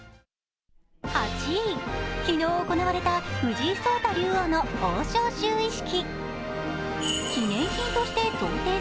８位、昨日行われた藤井聡太竜王の王将就位式。